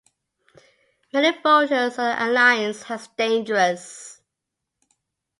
Many voters saw the alliance as dangerous.